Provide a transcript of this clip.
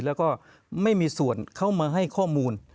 แล้วก็ไม่มีส่วนเข้ามาให้ข้อมูล